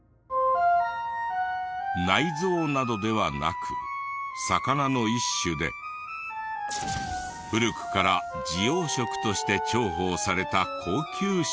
内臓などではなく魚の一種で古くから滋養食として重宝された高級食材。